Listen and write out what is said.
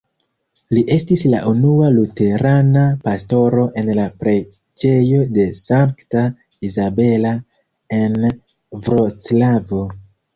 Li estis la unua luterana pastoro en la Preĝejo de Sankta Izabela, en Vroclavo.